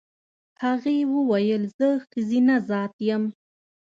هغې وویل زه ښځینه ذات یم.